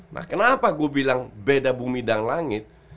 nah kenapa gue bilang beda bumi dan langit